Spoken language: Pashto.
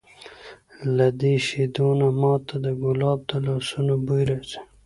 له دې شیدو نه ما ته د کلاب د لاسونو بوی راځي!